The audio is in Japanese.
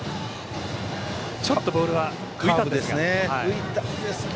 ちょっとボールは浮いたんですが。